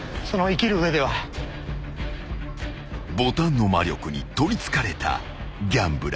［ボタンの魔力に取りつかれたギャンブラー岡野］